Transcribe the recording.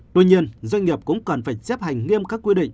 tuy nhiên doanh nghiệp cũng cần phải chấp hành nghiêm các quy định